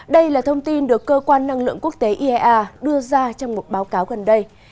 đây là thông tin được cơ quan năng lượng quốc tế iea đưa ra trong một báo cáo gần đây